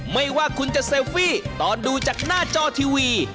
ไม่ว่าคุณจะเซลฟี่ตอนดูจากหน้าจอทีวี